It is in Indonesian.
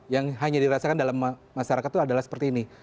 yang hanya dirasakan dalam masyarakat itu adalah seperti ini